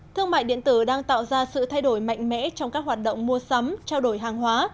thương mại điện tử đang tạo ra sự thay đổi mạnh mẽ trong các hoạt động mua sắm trao đổi hàng hóa